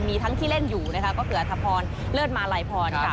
มีทั้งที่เล่นอยู่นะคะก็คืออัธพรเลิศมาลัยพรค่ะ